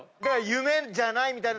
「夢じゃない」